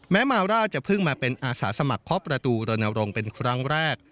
มาร่าจะเพิ่งมาเป็นอาสาสมัครเคาะประตูรณรงค์เป็นครั้งแรก